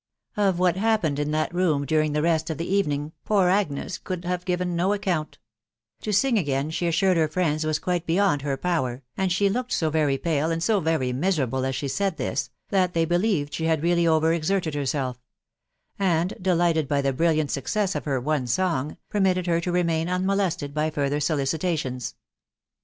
Of what happened in that room during theV rest of uV evening, poor Agnes could have given no aecotiht; to sing , again she assured her friends was quite beyond her power, and she looked so very pale arid so very miserable' as* she* atf this, that they believed she had really over exerted' herself; and, delighted by the brilliant success of her otter abng, petJ mitted her to remain unmolested hy further solicitation*.